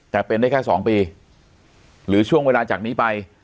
แต่เป็นได้แค่๒ปีหรือช่วงเวลาจากนี้ไป